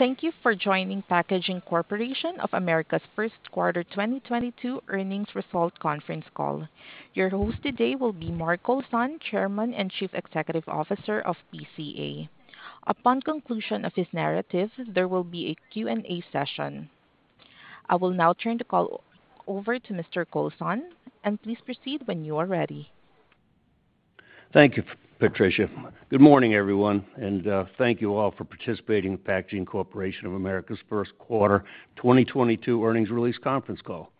Thank you for joining Packaging Corporation of America's Q1 2022 Earnings Result Conference call. Your host today will be Mark Kowlzan, Chairman and Chief Executive Officer of PCA. Upon conclusion of his narrative, there will be a Q&A session. I will now turn the call over to Mr. Kowlzan, and please proceed when you are ready. Thank you, Patricia. Good morning, everyone, and thank you all for participating in Packaging Corporation of America's Q1 2022 earnings release conference call.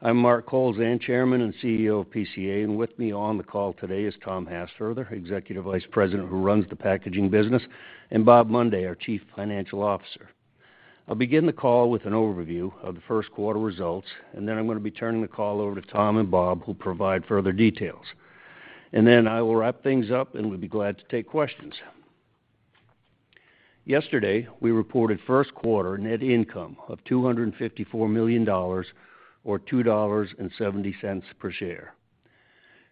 I'm Mark Kowlzan, Chairman and CEO of PCA, and with me on the call today is Tom Hassfurther, Executive Vice President who runs the packaging business, and Bob Mundy, our Chief Financial Officer. I'll begin the call with an overview of the Q1 results, and then I'm gonna be turning the call over to Tom and Bob, who'll provide further details. I will wrap things up, and we'll be glad to take questions. Yesterday, we reported Q1 net income of $254 million or $2.70 per share.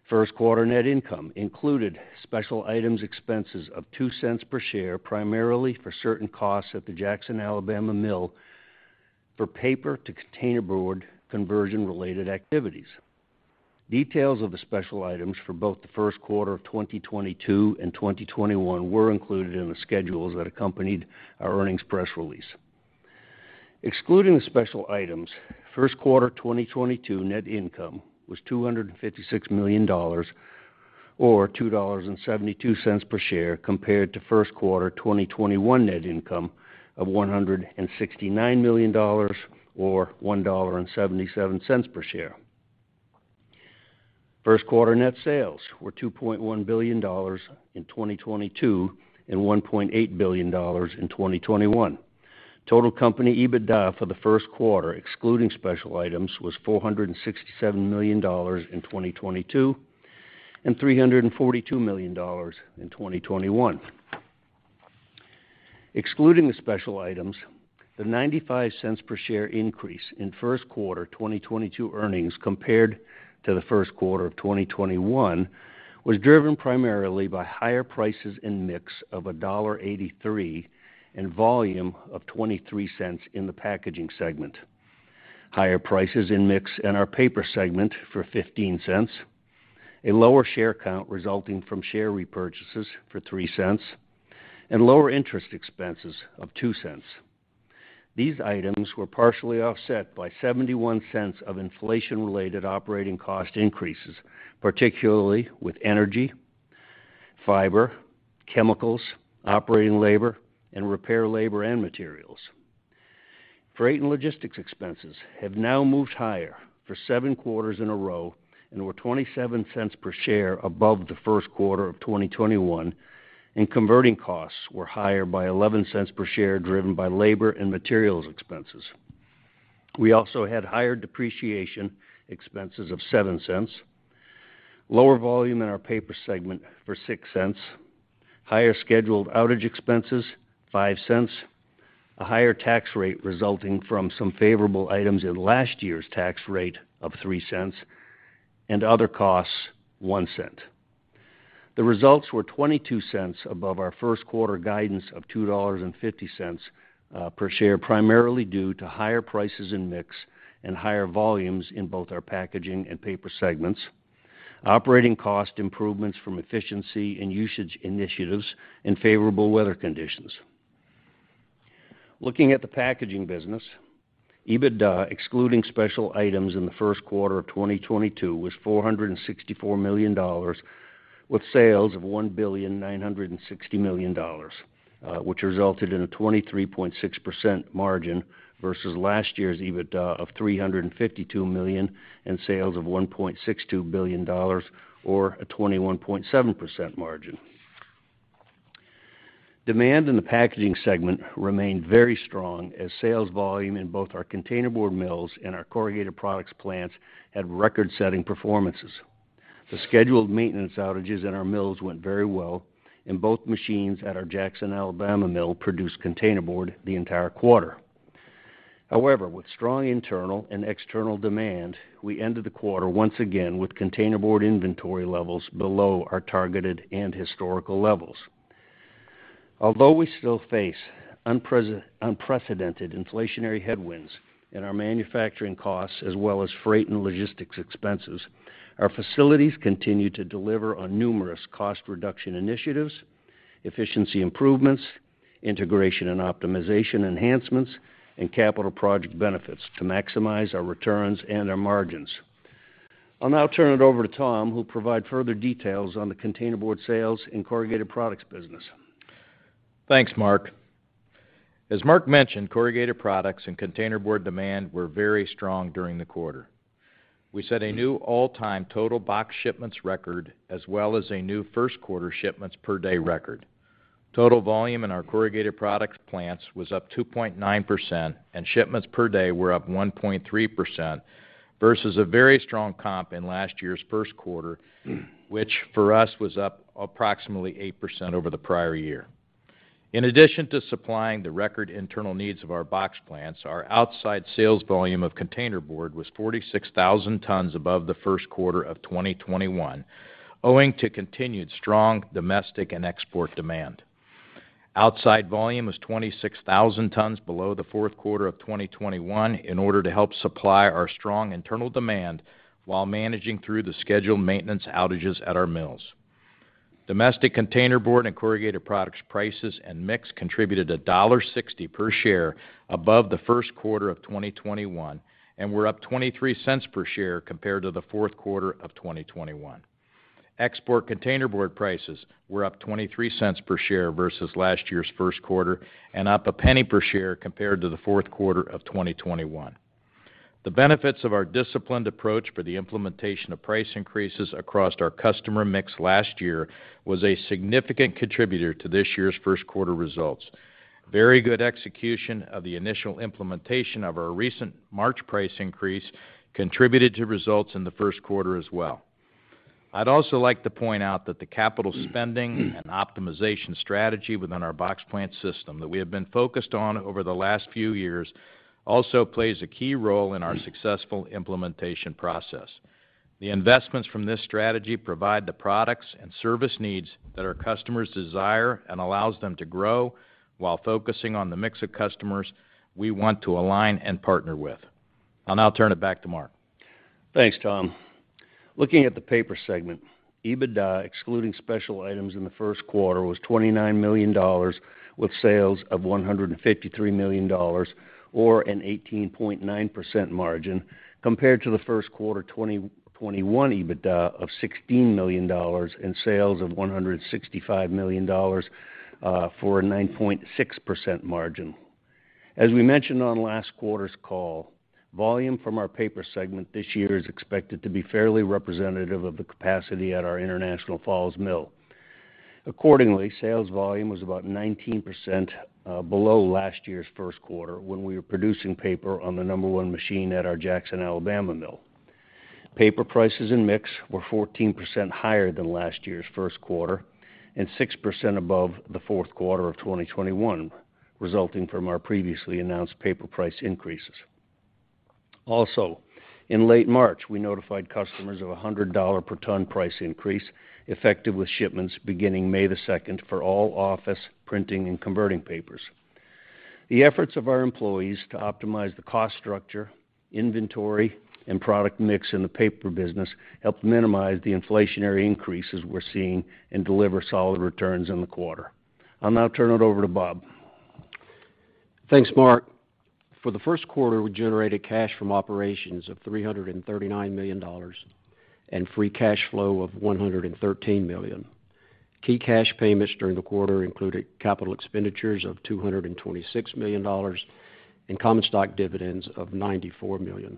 First quarter net income included special items expenses of $0.02 per share, primarily for certain costs at the Jackson, Alabama mill for paper-to-containerboard conversion-related activities. Details of the special items for both the Q1 of 2022 and 2021 were included in the schedules that accompanied our earnings press release. Excluding the special items, Q1 2022 net income was $256 million or $2.72 per share compared to Q1 2021 net income of $169 million or $1.77 per share. First quarter net sales were $2.1 billion in 2022 and $1.8 billion in 2021. Total company EBITDA for the Q1, excluding special items, was $467 million in 2022 and $342 million in 2021. Excluding the special items, the $0.95 per share increase in Q1 2022 earnings compared to the Q1 of 2021 was driven primarily by higher prices in mix of $1.83 and volume of $0.23 in the packaging segment, higher prices in mix in our paper segment for $0.15, a lower share count resulting from share repurchases for $0.03, and lower interest expenses of $0.02. These items were partially offset by $0.71 of inflation-related operating cost increases, particularly with energy, fiber, chemicals, operating labor, and repair labor and materials. Freight and logistics expenses have now moved higher for seven quarters in a row and were $0.27 per share above the Q1 of 2021, and converting costs were higher by $0.11 per share, driven by labor and materials expenses. We also had higher depreciation expenses of $0.07, lower volume in our paper segment for $0.06, higher scheduled outage expenses, $0.05, a higher tax rate resulting from some favorable items in last year's tax rate of $0.03, and other costs, $0.01. The results were $0.22 above our Q1 guidance of $2.50 per share, primarily due to higher prices in mix and higher volumes in both our packaging and paper segments, operating cost improvements from efficiency and usage initiatives, and favorable weather conditions. Looking at the packaging business, EBITDA, excluding special items in the Q1 of 2022, was $464 million with sales of $1.96 billion, which resulted in a 23.6% margin versus last year's EBITDA of $352 million and sales of $1.62 billion or a 21.7% margin. Demand in the packaging segment remained very strong as sales volume in both our containerboard mills and our corrugated products plants had record-setting performances. The scheduled maintenance outages in our mills went very well, and both machines at our Jackson, Alabama mill produced containerboard the entire quarter. However, with strong internal and external demand, we ended the quarter once again with containerboard inventory levels below our targeted and historical levels. Although we still face unprecedented inflationary headwinds in our manufacturing costs as well as freight and logistics expenses, our facilities continue to deliver on numerous cost reduction initiatives, efficiency improvements, integration and optimization enhancements, and capital project benefits to maximize our returns and our margins. I'll now turn it over to Tom, who'll provide further details on the containerboard sales and corrugated products business. Thanks, Mark. As Mark mentioned, corrugated products and containerboard demand were very strong during the quarter. We set a new all-time total box shipments record, as well as a new Q1 shipments per day record. Total volume in our corrugated products plants was up 2.9%, and shipments per day were up 1.3% versus a very strong comp in last year's Q1, which for us was up approximately 8% over the prior year. In addition to supplying the record internal needs of our box plants, our outside sales volume of containerboard was 46,000 tons above the Q1 of 2021, owing to continued strong domestic and export demand. Outside volume was 26,000 tons below the Q4 of 2021 in order to help supply our strong internal demand while managing through the scheduled maintenance outages at our mills. Domestic containerboard and corrugated products prices and mix contributed $1.60 per share above the Q1 of 2021, and we're up $0.23 per share compared to the Q4 of 2021. Export containerboard prices were up $0.23 cents per share versus last year's Q1 and up $0.01 per share compared to the Q4 of 2021. The benefits of our disciplined approach for the implementation of price increases across our customer mix last year was a significant contributor to this year's Q1 results. Very good execution of the initial implementation of our recent March price increase contributed to results in the Q1 as well. I'd also like to point out that the capital spending and optimization strategy within our box plant system that we have been focused on over the last few years also plays a key role in our successful implementation process. The investments from this strategy provide the products and service needs that our customers desire and allows them to grow while focusing on the mix of customers we want to align and partner with. I'll now turn it back to Mark. Thanks, Tom. Looking at the paper segment, EBITDA, excluding special items in the Q1, was $29 million with sales of $153 million or an 18.9% margin compared to the Q1 2021 EBITDA of $16 million and sales of $165 million for a 9.6% margin. As we mentioned on last quarter's call, volume from our paper segment this year is expected to be fairly representative of the capacity at our International Falls mill. Accordingly, sales volume was about 19% below last year's Q1 when we were producing paper on the number one machine at our Jackson, Alabama mill. Paper prices and mix were 14% higher than last year's Q1 and 6% above the Q4 of 2021, resulting from our previously announced paper price increases. Also, in late March, we notified customers of a $100 per ton price increase, effective with shipments beginning May the second for all office printing and converting papers. The efforts of our employees to optimize the cost structure, inventory, and product mix in the paper business helped minimize the inflationary increases we're seeing and deliver solid returns in the quarter. I'll now turn it over to Bob. Thanks, Mark. For the Q1, we generated cash from operations of $339 million and free cash flow of $113 million. Key cash payments during the quarter included capital expenditures of $226 million and common stock dividends of $94 million.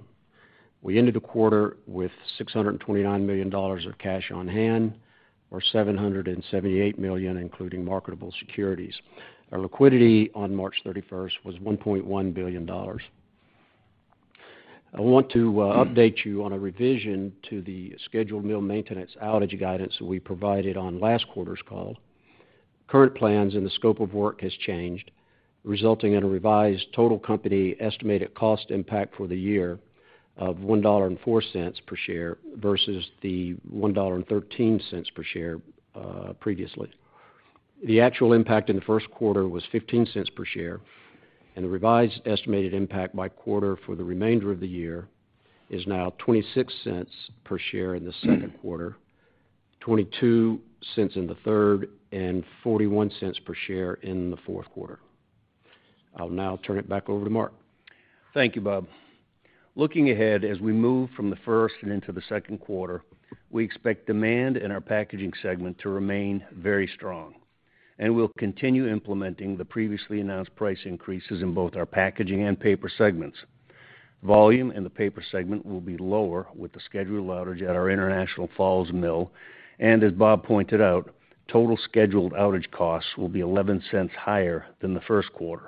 We ended the quarter with $629 million of cash on hand, or $778 million, including marketable securities. Our liquidity on 31 March 2022 was $1.1 billion. I want to update you on a revision to the scheduled mill maintenance outage guidance that we provided on last quarter's call. Current plans and the scope of work has changed, resulting in a revised total company estimated cost impact for the year of $1.04 per share versus the $1.13 per share previously. The actual impact in the Q1 was $0.15 per share, and the revised estimated impact by quarter for the remainder of the year is now $0.26 per share in the Q2, $0.22 in the third, and $0.41 per share in the Q4. I'll now turn it back over to Mark. Thank you, Bob. Looking ahead, as we move from the Q1 and into the Q2, we expect demand in our packaging segment to remain very strong, and we'll continue implementing the previously announced price increases in both our packaging and paper segments. Volume in the paper segment will be lower with the scheduled outage at our International Falls mill, and as Bob pointed out, total scheduled outage costs will be $0.11 higher than the Q1.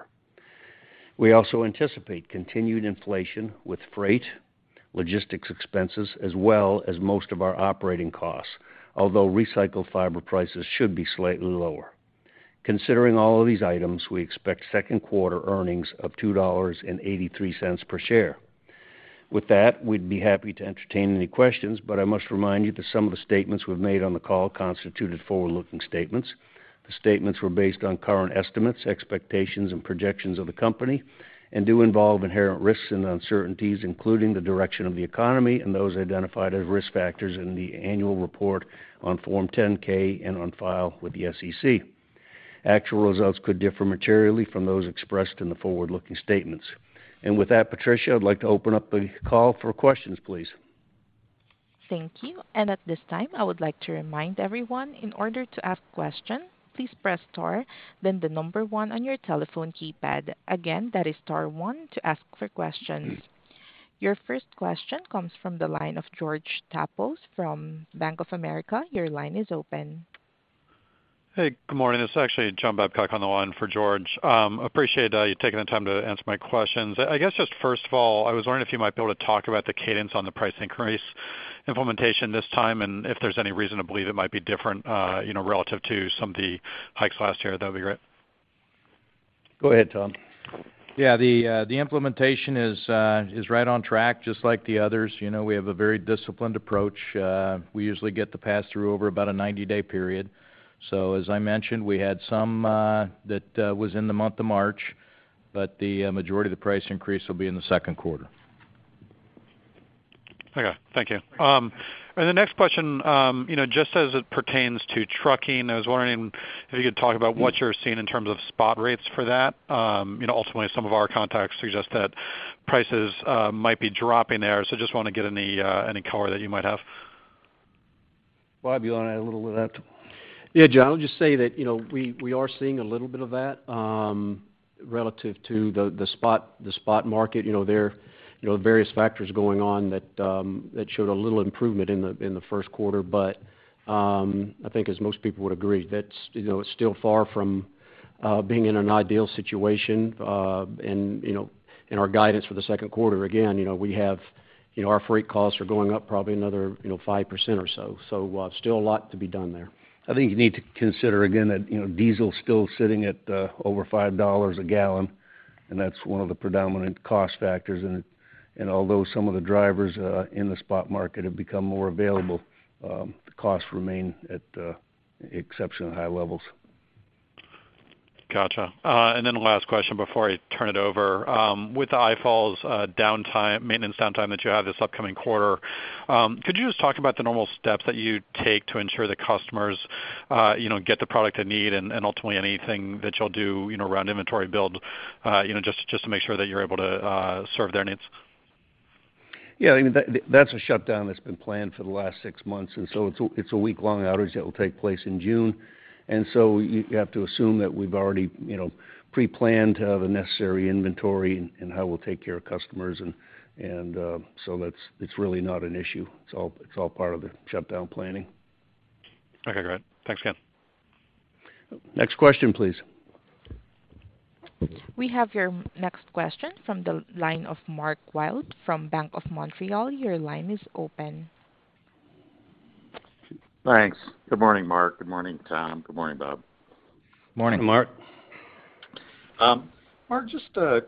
We also anticipate continued inflation with freight, logistics expenses, as well as most of our operating costs, although recycled fiber prices should be slightly lower. Considering all of these items, we expect Q2 earnings of $2.83 per share. With that, we'd be happy to entertain any questions, but I must remind you that some of the statements we've made on the call constituted forward-looking statements. The statements were based on current estimates, expectations, and projections of the company and do involve inherent risks and uncertainties, including the direction of the economy and those identified as risk factors in the annual report on Form 10-K and on file with the SEC. Actual results could differ materially from those expressed in the forward-looking statements. With that, Patricia, I'd like to open up the call for questions, please. Thank you. At this time, I would like to remind everyone in order to ask questions, please press star then the number one on your telephone keypad. Again, that is star one to ask for questions. Your first question comes from the line of George Staphos from Bank of America. Your line is open. Hey, good morning. This is actually John Babcock on the line for George. Appreciate you taking the time to answer my questions. I guess just first of all, I was wondering if you might be able to talk about the cadence on the price increase implementation this time, and if there's any reason to believe it might be different, you know, relative to some of the hikes last year, that'd be great. Go ahead, Tom. The implementation is right on track just like the others. You know, we have a very disciplined approach. We usually get the pass-through over about a 90-day period. As I mentioned, we had some that was in the month of March, but the majority of the price increase will be in the Q2. Okay, thank you. The next question, you know, just as it pertains to trucking, I was wondering if you could talk about what you're seeing in terms of spot rates for that. You know, ultimately, some of our contacts suggest that prices might be dropping there. Just wanna get any color that you might have. Bob, you wanna add a little to that? John, I'll just say that, you know, we are seeing a little bit of that relative to the spot market. You know, various factors going on that showed a little improvement in the Q1. I think as most people would agree, that's, you know, it's still far from being in an ideal situation. And, you know, in our guidance for the Q2, again, you know, we have, you know, our freight costs are going up probably another, you know, 5% or so. Still a lot to be done there. I think you need to consider again that, you know, diesel's still sitting at over $5 a gallon, and that's one of the predominant cost factors. Although some of the drivers in the spot market have become more available, the costs remain at exceptionally high levels. Gotcha. Last question before I turn it over. With the International Falls, downtime, maintenance downtime that you have this upcoming quarter, could you just talk about the normal steps that you take to ensure the customers, you know, get the product they need and ultimately anything that you'll do, you know, around inventory build, you know, just to make sure that you're able to serve their needs? Yeah, I mean, that's a shutdown that's been planned for the last six months, so it's a week-long outage that will take place in June. You have to assume that we've already, you know, pre-planned to have the necessary inventory and how we'll take care of customers. So that's really not an issue. It's all part of the shutdown planning. Okay, great. Thanks again. Next question, please. We have your next question from the line of Mark Wilde from Bank of Montreal. Your line is open. Thanks. Good morning, Mark. Good morning, Tom. Good morning, Bob. Morning. Morning, Mark. Mark, just to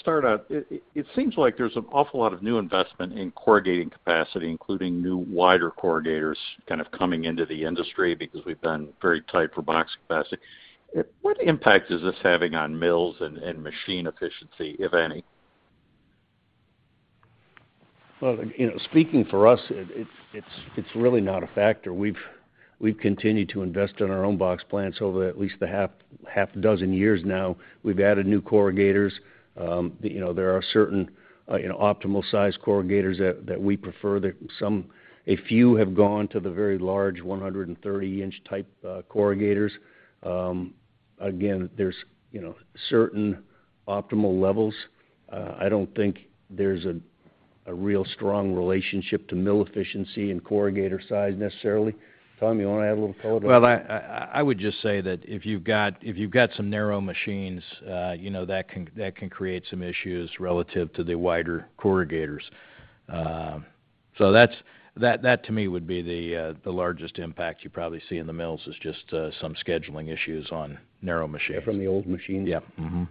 start out, it seems like there's an awful lot of new investment in corrugating capacity, including new wider corrugators kind of coming into the industry because we've been very tight for box capacity. What impact is this having on mills and machine efficiency, if any? Well, you know, speaking for us, it's really not a factor. We've continued to invest in our own box plants over at least half a dozen years now. We've added new corrugators. You know, there are certain optimal size corrugators that we prefer. Some, a few have gone to the very large 130-inch type corrugators. Again, there's, you know, certain optimal levels. I don't think there's a real strong relationship to mill efficiency and corrugator size necessarily. Tom, you wanna add a little color to that? Well, I would just say that if you've got some narrow machines, you know, that can create some issues relative to the wider corrugators. That's that to me would be the largest impact you probably see in the mills is just some scheduling issues on narrow machines. From the old machines? Yeah. Okay,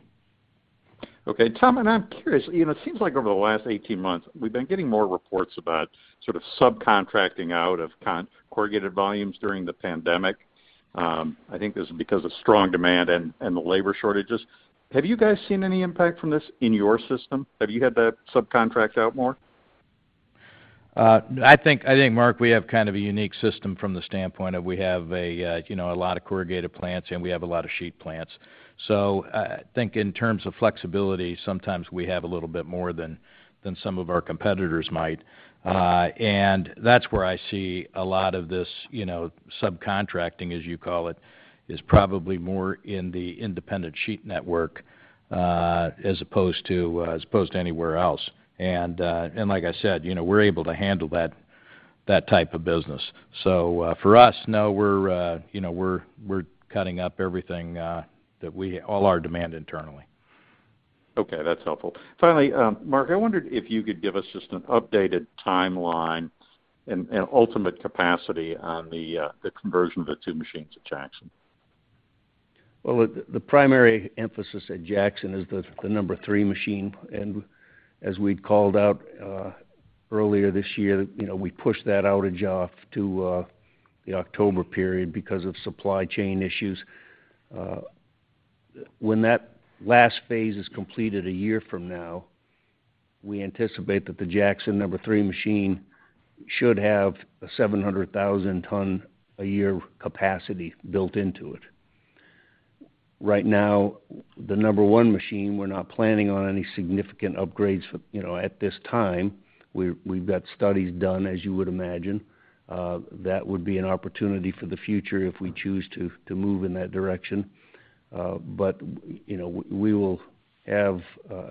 Tom, I'm curious, you know, it seems like over the last 18 months, we've been getting more reports about sort of subcontracting out of corrugated volumes during the pandemic. I think this is because of strong demand and the labor shortages. Have you guys seen any impact from this in your system? Have you had to subcontract out more? I think, Mark, we have kind of a unique system from the standpoint of we have a lot of corrugated plants, and we have a lot of sheet plants. I think in terms of flexibility, sometimes we have a little bit more than some of our competitors might. That's where I see a lot of this subcontracting, as you call it, is probably more in the independent sheet network, as opposed to anywhere else. Like I said, you know, we're able to handle that type of business. For us, no, you know, we're cutting up everything, all our demand internally. Okay, that's helpful. Finally, Mark, I wondered if you could give us just an updated timeline and ultimate capacity on the conversion of the two machines at Jackson. Well, the primary emphasis at Jackson is the number three machine. As we'd called out earlier this year, you know, we pushed that outage off to the October period because of supply chain issues. When that last phase is completed a year from now, we anticipate that the Jackson number three machine should have a 700,000 ton a year capacity built into it. Right now, the number one machine, we're not planning on any significant upgrades, you know, at this time. We've got studies done, as you would imagine. That would be an opportunity for the future if we choose to move in that direction. You know, we will have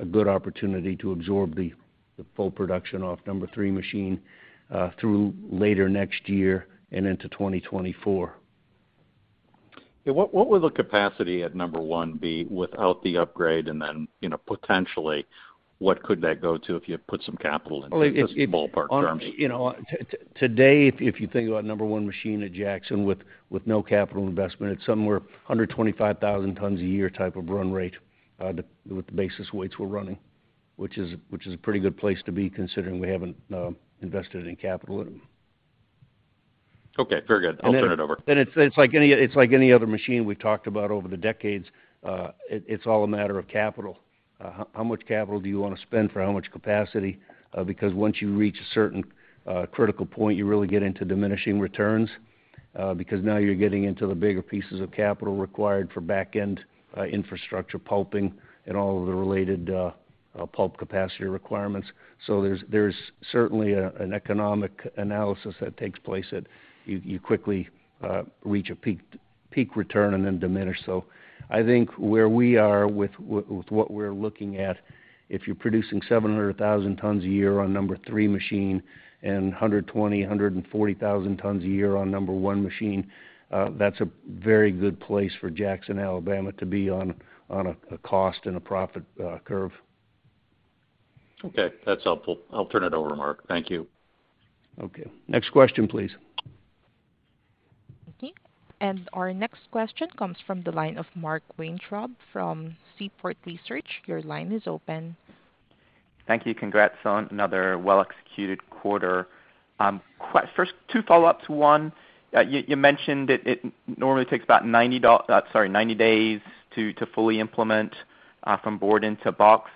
a good opportunity to absorb the full production off number three machine through later next year and into 2024. Yeah. What would the capacity at number one be without the upgrade? You know, potentially, what could that go to if you put some capital into it, just ballpark terms? You know, today, if you think about number one machine at Jackson with no capital investment, it's somewhere under 25,000 tons a year type of run rate, with the basis weights we're running. Which is a pretty good place to be considering we haven't invested any capital in them. Okay, very good. I'll turn it over. It's like any other machine we've talked about over the decades. It's all a matter of capital. How much capital do you wanna spend for how much capacity? Because once you reach a certain critical point, you really get into diminishing returns, because now you're getting into the bigger pieces of capital required for back-end infrastructure pulping and all of the related pulp capacity requirements. There's certainly an economic analysis that takes place that you quickly reach a peak return and then diminish. I think where we are with what we're looking at, if you're producing 700,000 tons a year on number three machine and 120,000-140,000 tons a year on number one machine, that's a very good place for Jackson, Alabama to be on a cost and a profit curve. Okay, that's helpful. I'll turn it over, Mark. Thank you. Okay. Next question, please. Thank you. Our next question comes from the line of Mark Weintraub from Seaport Research. Your line is open. Thank you. Congrats on another well-executed quarter. Quick first two follow-ups. One, you mentioned that it normally takes about 90 days to fully implement from board into box.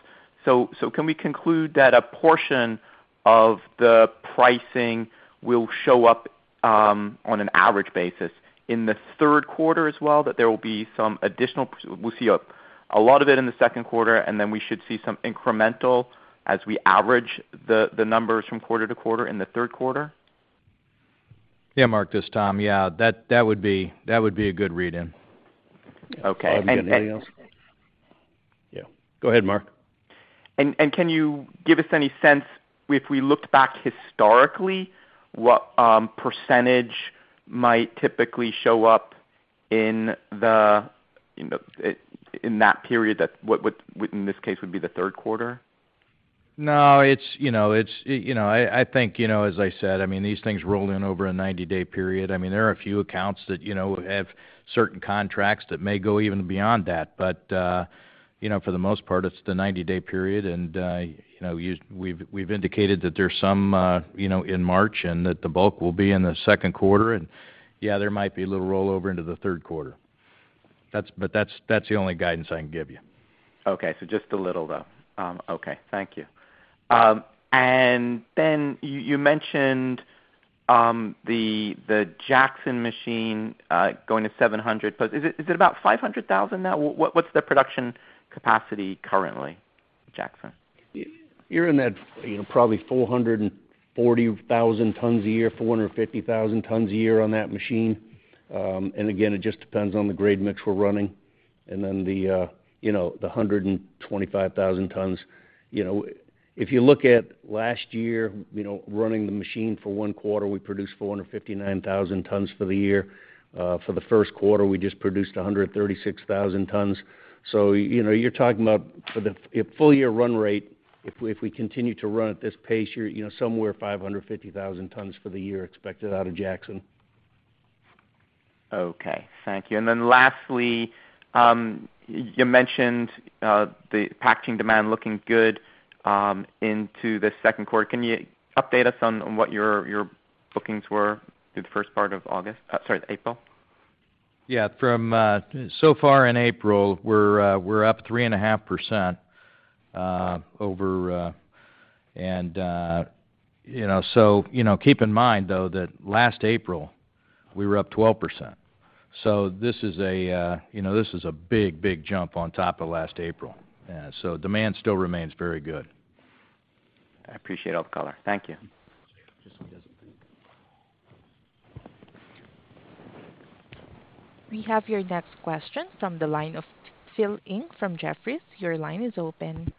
Can we conclude that a portion of the pricing will show up on an average basis in the Q3 as well, that there will be some additional we'll see a lot of it in the Q2, and then we should see some incremental as we average the numbers from quarter to quarter in the Q3? Yeah, Mark, this is Tom. Yeah, that would be a good read in. Okay. I don't have anything else. Yeah, go ahead, Mark. Can you give us any sense, if we looked back historically, what percentage might typically show up in that period that would in this case be the Q3? No, it's you know, it's. You know, I think you know, as I said, I mean, these things roll in over a 90-day period. I mean, there are a few accounts that you know, have certain contracts that may go even beyond that. You know, for the most part, it's the 90-day period. You know, we've indicated that there's some you know, in March and that the bulk will be in the Q2. Yeah, there might be a little rollover into the Q3. That's the only guidance I can give you. Okay. Just a little, though. Okay. Thank you. You mentioned the Jackson machine going to 700. Is it about 500,000 now? What's the production capacity currently at Jackson? You're in that, you know, probably 440,000 tons a year, 450,000 tons a year on that machine. It just depends on the grade mix we're running. 125,000 tons, you know, if you look at last year, you know, running the machine for one quarter, we produced 459,000 tons for the year. For the Q1, we just produced 136,000 tons. You know, you're talking about a full year run rate, if we continue to run at this pace, you're, you know, somewhere 550,000 tons for the year expected out of Jackson. Okay. Thank you. Lastly, you mentioned the packaging demand looking good into the Q2. Can you update us on what your bookings were through the first part of April? Yeah. So far in April, we're up 3.5%, you know. You know, keep in mind, though, that last April, we were up 12%. This is, you know, a big jump on top of last April. Demand still remains very good. I appreciate all the color. Thank you. We have your next question from the line of Phil Ng from Jefferies. Your line is open.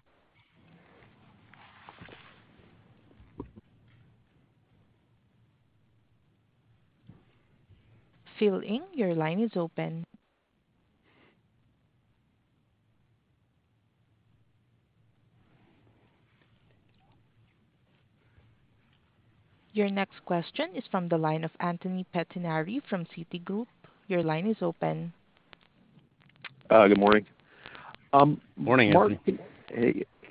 Phil Ng, your line is open. Your next question is from the line of Anthony Pettinari from Citigroup. Your line is open. Good morning. Morning, Anthony. Mark,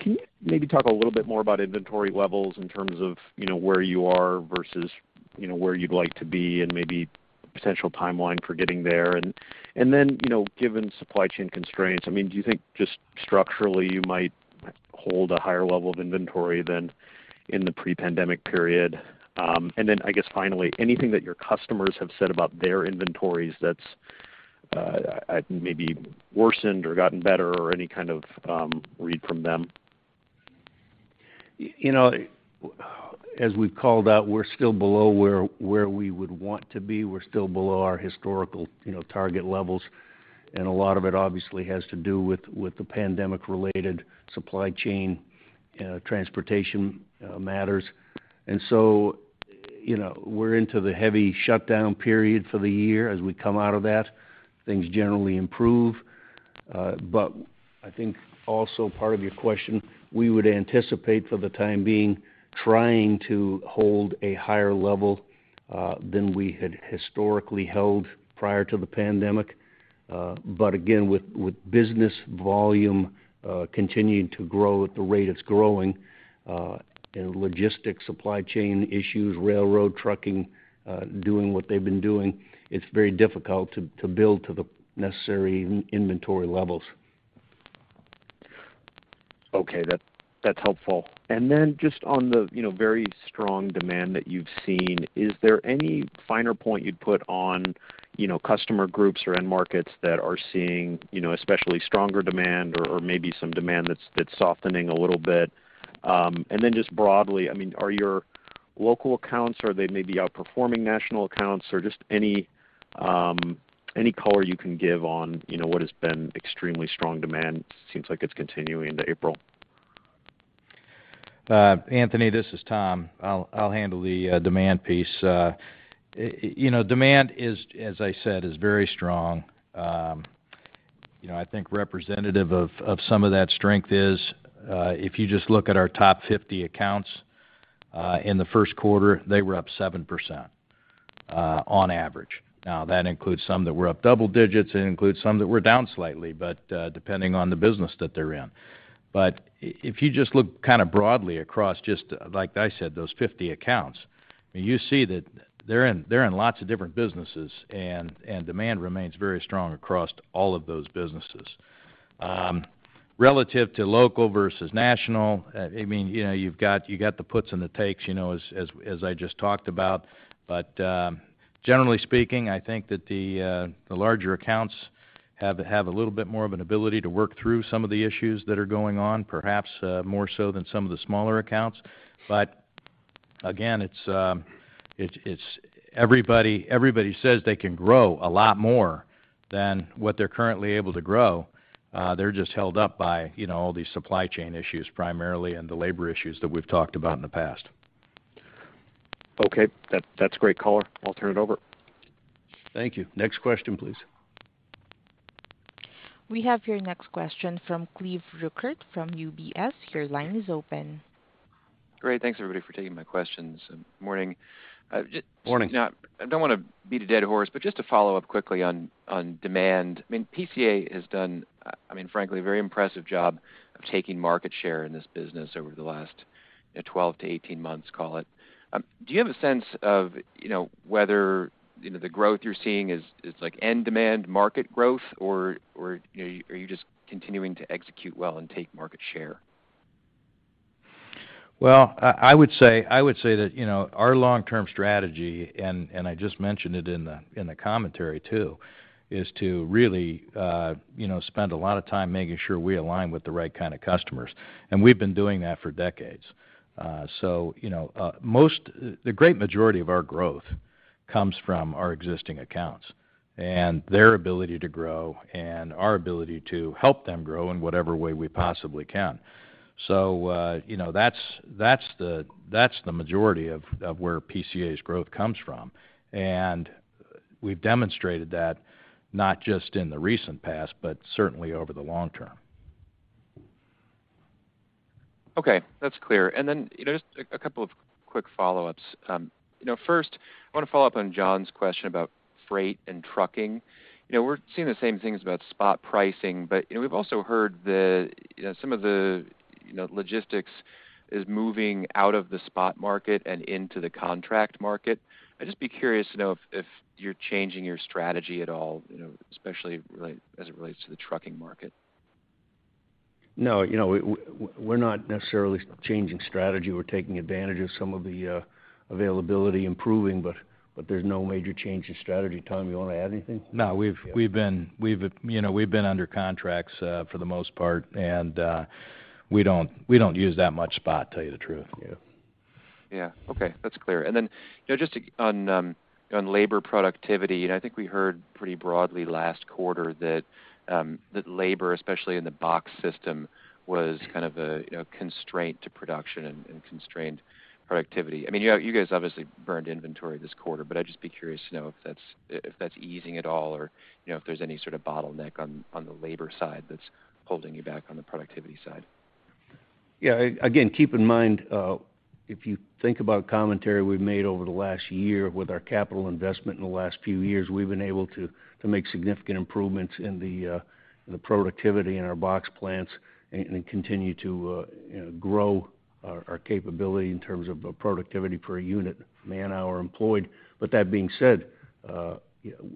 can you maybe talk a little bit more about inventory levels in terms of, you know, where you are versus, you know, where you'd like to be and maybe potential timeline for getting there? You know, given supply chain constraints, I mean, do you think just structurally you might hold a higher level of inventory than in the pre-pandemic period? I guess, finally, anything that your customers have said about their inventories that's maybe worsened or gotten better or any kind of read from them? You know, as we've called out, we're still below where we would want to be. We're still below our historical, you know, target levels. A lot of it obviously has to do with the pandemic-related supply chain, transportation matters. You know, we're into the heavy shutdown period for the year. As we come out of that, things generally improve. I think also part of your question, we would anticipate for the time being, trying to hold a higher level than we had historically held prior to the pandemic. With business volume continuing to grow at the rate it's growing, and logistics, supply chain issues, railroad trucking doing what they've been doing, it's very difficult to build to the necessary inventory levels. Okay. That's helpful. Just on the, you know, very strong demand that you've seen, is there any finer point you'd put on, you know, customer groups or end markets that are seeing, you know, especially stronger demand or maybe some demand that's softening a little bit? Just broadly, I mean, are your local accounts, are they maybe outperforming national accounts? Or just any color you can give on, you know, what has been extremely strong demand. Seems like it's continuing to April. Anthony, this is Tom. I'll handle the demand piece. You know, demand is, as I said, very strong. You know, I think representative of some of that strength is if you just look at our top 50 accounts in the Q1, they were up 7% on average. Now, that includes some that were up double-digits, and it includes some that were down slightly, but depending on the business that they're in. If you just look kind of broadly across just, like I said, those 50 accounts, you see that they're in lots of different businesses, and demand remains very strong across all of those businesses. Relative to local versus national, I mean, you know, you've got the puts and the takes, you know, as I just talked about. Generally speaking, I think that the larger accounts have a little bit more of an ability to work through some of the issues that are going on, perhaps more so than some of the smaller accounts. Again, it's everybody says they can grow a lot more than what they're currently able to grow. They're just held up by, you know, all these supply chain issues primarily, and the labor issues that we've talked about in the past. Okay. That, that's great color. I'll turn it over. Thank you. Next question, please. We have your next question from Cleve Rueckert from UBS. Your line is open. Great. Thanks, everybody, for taking my questions. Morning. Morning. I don't wanna beat a dead horse, but just to follow up quickly on demand. I mean, PCA has done, I mean, frankly, a very impressive job of taking market share in this business over the last 12-18 months, call it. Do you have a sense of, you know, whether, you know, the growth you're seeing is like end demand market growth, or, you know, are you just continuing to execute well and take market share? I would say that you know our long-term strategy and I just mentioned it in the commentary too is to really you know spend a lot of time making sure we align with the right kinda customers, and we've been doing that for decades. You know the great majority of our growth comes from our existing accounts and their ability to grow and our ability to help them grow in whatever way we possibly can. You know that's the majority of where PCA's growth comes from. We've demonstrated that not just in the recent past, but certainly over the long term. Okay. That's clear. You know, just a couple of quick follow-ups. You know, first, I wanna follow up on John's question about freight and trucking. You know, we're seeing the same things about spot pricing, but, you know, we've also heard the, you know, some of the, you know, logistics is moving out of the spot market and into the contract market. I'd just be curious to know if you're changing your strategy at all, you know, especially as it relates to the trucking market. No. You know, we're not necessarily changing strategy. We're taking advantage of some of the availability improving, but there's no major change in strategy. Tom, you wanna add anything? No. We've been under contracts for the most part, and we don't use that much spot, tell you the truth. Yeah. Yeah. Okay. That's clear. You know, just on labor productivity, I think we heard pretty broadly last quarter that labor, especially in the box system, was kind of a constraint to production and constrained productivity. I mean, you guys obviously burned inventory this quarter, but I'd just be curious to know if that's easing at all or, you know, if there's any sort of bottleneck on the labor side that's holding you back on the productivity side. Yeah. Again, keep in mind, if you think about commentary we've made over the last year with our capital investment in the last few years, we've been able to make significant improvements in the productivity in our box plants and continue to, you know, grow our capability in terms of the productivity per unit man-hour employed. But that being said,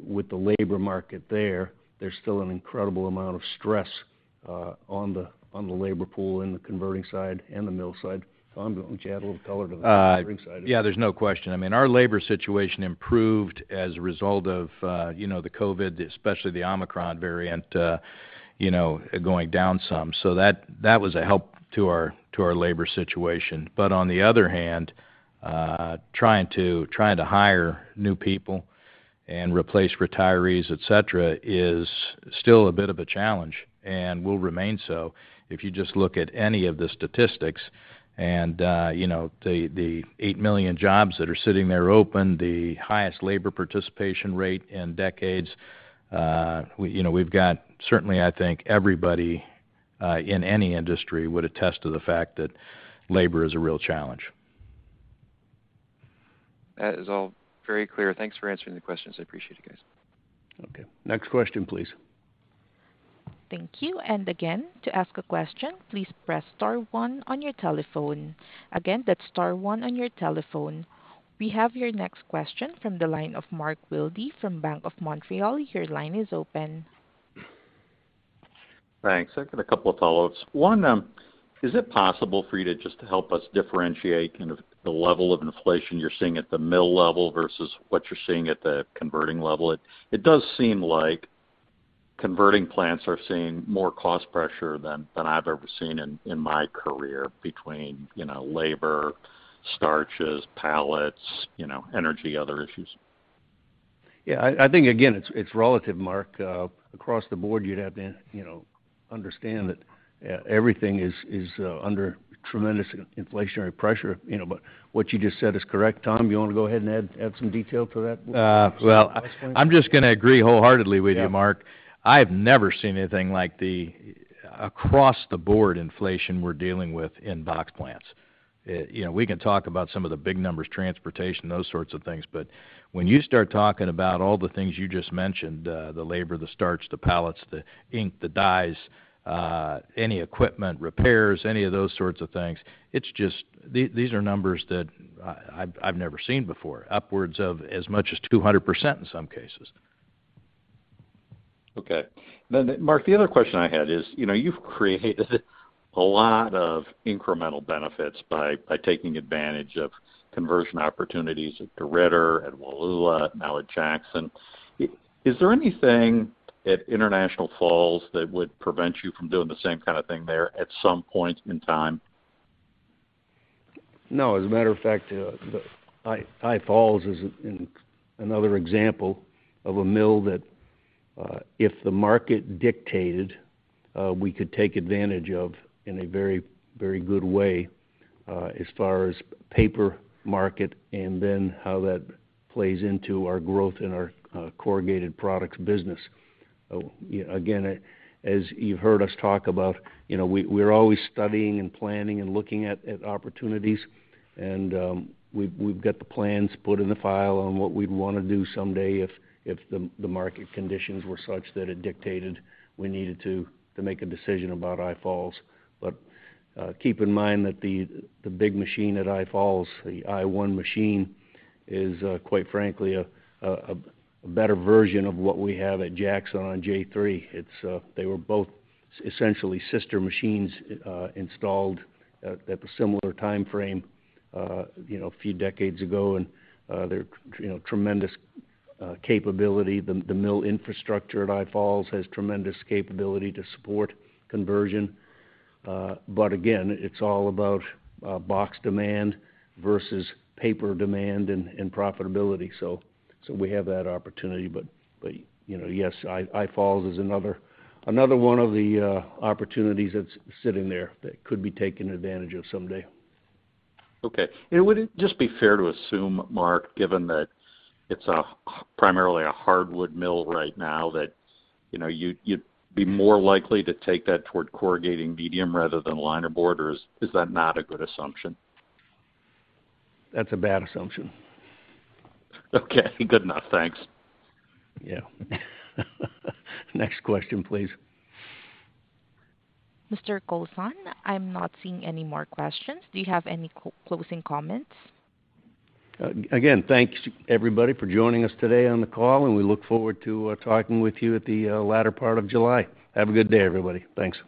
with the labor market there's still an incredible amount of stress on the labor pool in the converting side and the mill side. Tom, why don't you add a little color to the converting side? Yeah, there's no question. I mean, our labor situation improved as a result of, you know, the COVID, especially the Omicron variant, you know, going down some. That was a help to our labor situation. On the other hand, trying to hire new people and replace retirees, et cetera, is still a bit of a challenge and will remain so. If you just look at any of the statistics and, you know, the eight million jobs that are sitting there open, the highest labor participation rate in decades, we've got certainly, I think everybody in any industry would attest to the fact that labor is a real challenge. That is all very clear. Thanks for answering the questions. I appreciate you guys. Okay. Next question, please. We have your next question from the line of Mark Wilde from Bank of Montreal. Your line is open. Thanks. I've got a couple of follow-ups. One, is it possible for you to just help us differentiate kind of the level of inflation you're seeing at the mill level versus what you're seeing at the converting level? It does seem like converting plants are seeing more cost pressure than I've ever seen in my career between, you know, labor, starches, pallets, you know, energy, other issues. Yeah, I think again, it's relative, Mark. Across the board, you'd have to, you know, understand that everything is under tremendous inflationary pressure, you know. What you just said is correct. Tom, you wanna go ahead and add some detail to that? Well, I'm just gonna agree wholeheartedly with you, Mark. Yeah. I've never seen anything like the across-the-board inflation we're dealing with in box plants. You know, we can talk about some of the big numbers, transportation, those sorts of things, but when you start talking about all the things you just mentioned, the labor, the starch, the pallets, the ink, the dyes, any equipment repairs, any of those sorts of things, it's just. These are numbers that I've never seen before, upwards of as much as 200% in some cases. Okay. Mark, the other question I had is, you know, you've created a lot of incremental benefits by taking advantage of conversion opportunities at DeRidder, at Wallula, now at Jackson. Is there anything at International Falls that would prevent you from doing the same kind of thing there at some point in time? No. As a matter of fact, the International Falls is another example of a mill that, if the market dictated, we could take advantage of in a very, very good way, as far as paper market and then how that plays into our growth in our corrugated products business. Again, as you've heard us talk about, you know, we're always studying and planning and looking at opportunities, and we've got the plans put in the file on what we'd wanna do someday if the market conditions were such that it dictated we needed to make a decision about International Falls. But keep in mind that the big machine at International Falls, the I1 machine is, quite frankly, a better version of what we have at Jackson on J3. They were both essentially sister machines installed at the similar timeframe, you know, a few decades ago. They're you know tremendous capability. The mill infrastructure at I Falls has tremendous capability to support conversion. Again, it's all about box demand versus paper demand and profitability. We have that opportunity. You know, yes, I Falls is another one of the opportunities that's sitting there that could be taken advantage of someday. Okay. Would it just be fair to assume, Mark, given that it's primarily a hardwood mill right now, that, you know, you'd be more likely to take that toward corrugating medium rather than linerboard? Or is that not a good assumption? That's a bad assumption. Okay. Good enough. Thanks. Yeah. Next question, please. Mr. Kowlzan, I'm not seeing any more questions. Do you have any closing comments? Again, thanks, everybody, for joining us today on the call, and we look forward to talking with you at the latter part of July. Have a good day, everybody. Thanks.